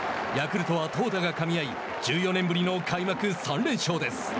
ヤクルトは投打がかみ合い１４年ぶりの開幕３連勝です。